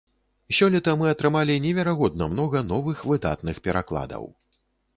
Сёлета мы атрымалі неверагодна многа новых выдатных перакладаў.